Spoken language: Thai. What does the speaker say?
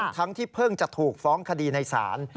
ทั้งที่เพิ่งจะถูกฟ้องคดีในศาล